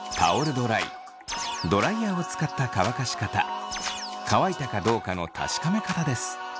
ドライドライヤーを使った乾かし方乾いたかどうかの確かめ方です。